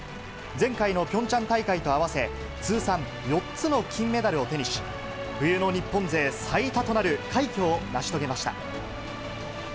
前回のピョンチャン大会と合わせ、通算４つの金メダルを手にし、冬の日本勢最多となる快挙を成し遂げました。